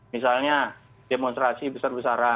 misalnya demonstrasi besar besaran